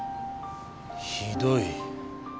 ひどい。